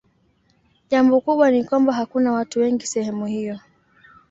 Jambo kubwa ni kwamba hakuna watu wengi sehemu hiyo.